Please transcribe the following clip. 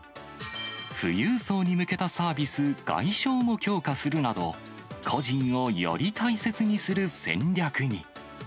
富裕層に向けたサービス、外商を強化するなど、個人をより大切にする戦略に。